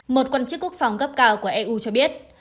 một quan chức quốc phòng gấp cao của eu cho biết